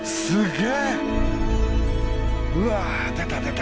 すげえ！